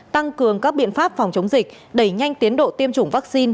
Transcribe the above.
tăng cường các biện pháp phòng chống dịch đẩy nhanh tiến độ tiêm chủng vaccine